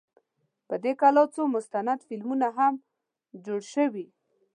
په دې کلا څو مستند فلمونه هم جوړ شوي.